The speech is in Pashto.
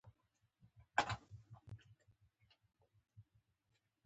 د قلم نیولو سلیقه مهمه ده.